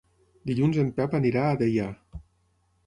Dilluns en Pep anirà a Deià.